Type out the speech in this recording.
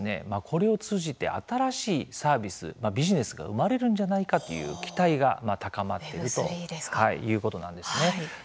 これを通じて、新しいサービスビジネスが生まれるんじゃないかという期待が高まっているということなんですね。